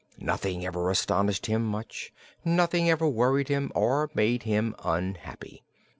Nothing ever astonished him much; nothing ever worried him or made him unhappy.